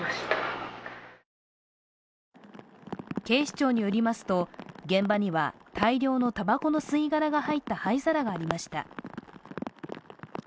警視庁によりますと、現場には大量のたばこの吸い殻が入った灰皿がありました。